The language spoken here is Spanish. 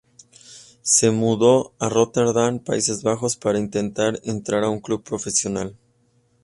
Se mudó a Rotterdam, Países Bajos, para intentar entrar a un club profesional.